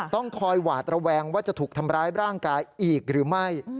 ต้องคอยหวาดระแวงว่าจะถูกทำร้ายร่างกายอีกหรือไม่